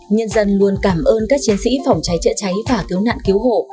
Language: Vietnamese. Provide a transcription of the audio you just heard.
nhân dân luôn cảm ơn các chiến sĩ phòng cháy chữa cháy và cứu nạn cứu hộ